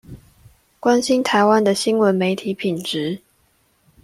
關心台灣的新聞媒體品質